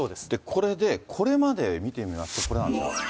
これで、これまで見てみますと、これなんです。